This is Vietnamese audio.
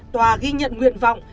tòa ghi nhận nguyện vọng